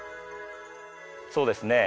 そうですね。